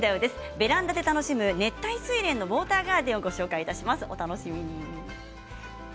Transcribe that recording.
ベランダで楽しむ熱帯スイレンのウォーターガーデンをご紹介します。